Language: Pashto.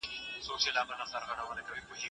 سیاستپوهنه به د ستونزو د حل کيلي وي.